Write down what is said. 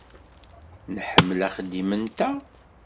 Nḥemmel axeddim-nteɣ.